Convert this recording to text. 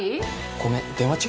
ごめん電話中？